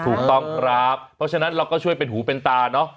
ถูกต้องครับเพราะฉะนั้นเราก็ช่วยเป็นหูเป็นตาเนอะ